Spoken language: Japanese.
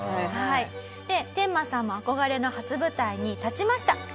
テンマさんも憧れの初舞台に立ちました。